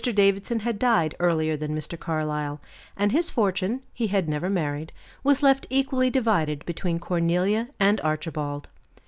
Davidson had died earlier than Mr. Carlyle, and his fortune he had never married was left equally divided between Cornelia and Archibald.